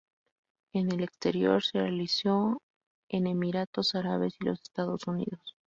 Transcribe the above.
En el exterior, se realizó en Emiratos Árabes y los Estados Unidos.